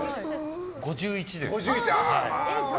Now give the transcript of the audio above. ５１です。